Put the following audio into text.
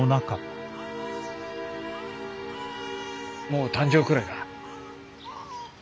もう誕生くらいか？